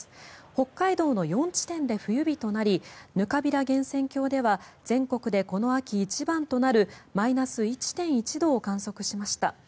北海道の４地点で冬日となりぬかびら源泉郷では全国でこの秋一番となるマイナス１．１度を観測しました。